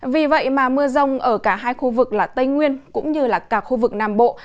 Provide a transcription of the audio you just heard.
vì vậy mà mưa rông ở cả hai khu vực là tây nguyên cũng như là cả khu vực nam bộ